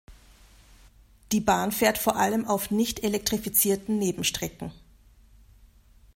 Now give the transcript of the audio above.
Die Bahn fährt vor allem auf nicht elektrifizierten Nebenstrecken.